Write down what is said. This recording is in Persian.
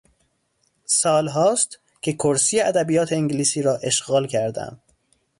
سالهاست که کرسی ادبیات انگلیسی را اشغال کردهام.